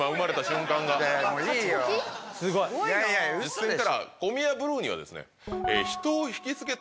実践からコミヤブルーにはですね。